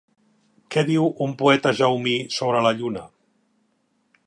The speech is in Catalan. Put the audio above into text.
Què diu un poeta jaumí sobre la lluna?